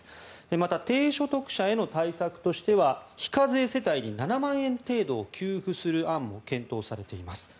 また、低所得者への対策としては非課税世帯に７万円程度給付する案も検討されています。